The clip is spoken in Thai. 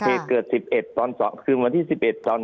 ภารกิจสรรค์ภารกิจสรรค์